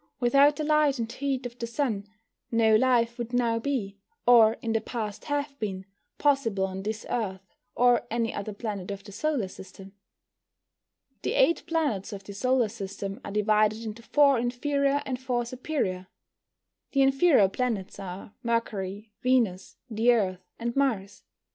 Without the light and heat of the Sun no life would now be, or in the past have been, possible on this Earth, or any other planet of the solar system. The eight planets of the solar system are divided into four inferior and four superior. The inferior planets are Mercury, Venus, the Earth, and Mars.